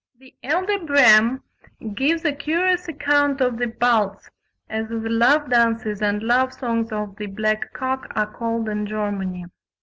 The elder Brehm gives a curious account of the Balz, as the love dances and love songs of the Black cock are called in Germany.